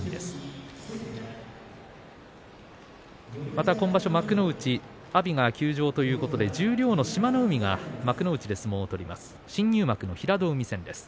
また今場所、幕内阿炎が休場ということで十両の志摩ノ海が幕内で相撲を取ります。